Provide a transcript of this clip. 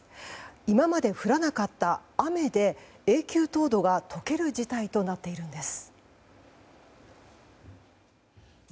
今まで降らなかった雨で永久凍土が溶ける事態となっているんです。